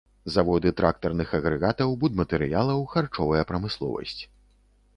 Заводы трактарных агрэгатаў, будматэрыялаў, харчовая прамысловасць.